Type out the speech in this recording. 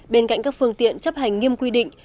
bên cạnh các phương tiện chấp hành nghiêm quy định